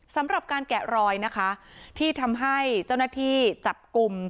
สำหรับการแกะรอยนะคะที่ทำให้เจ้าหน้าที่จับกลุ่ม